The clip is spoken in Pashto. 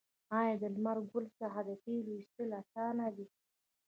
آیا د لمر ګل څخه د تیلو ایستل اسانه دي؟